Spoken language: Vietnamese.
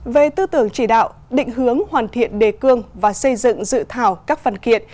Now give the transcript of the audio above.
về tư tưởng chỉ đạo định hướng hoàn thiện đề cương và xây dựng dự thảo các văn kiện